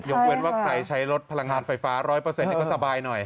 เว้นว่าใครใช้รถพลังงานไฟฟ้า๑๐๐ก็สบายหน่อย